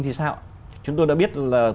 thì sao chúng tôi đã biết là